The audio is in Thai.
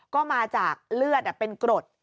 ก็มาจากเลือดเป็นกรด